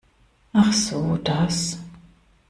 Ach so das.